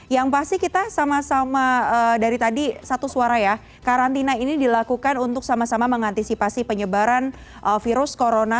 yang pasti kita sama sama dari tadi satu suara ya karantina ini dilakukan untuk sama sama mengantisipasi penyebaran virus corona